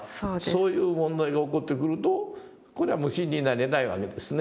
そういう問題が起こってくるとこれは無心になれないわけですね